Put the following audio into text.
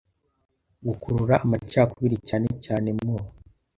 gukurura amacakubiri cyane cyane mu